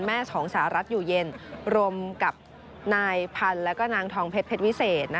แม่ของสหรัฐอยู่เย็นรวมกับนายพันธุ์และนางทองเพชรเพชรวิเศษ